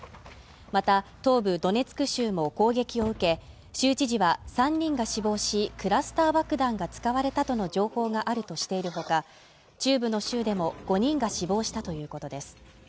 また東部ドネツク州も攻撃を受け州知事は３人が死亡しクラスター爆弾が使われたとの情報があるとしているほか中部の州でも５人が死亡したということです